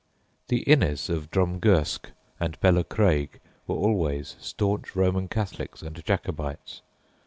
The Innes of Drumgersk and Belucraig were always staunch Roman Catholics and Jacobites.